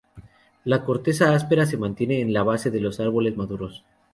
La corteza áspera se mantiene en la base de los árboles maduros.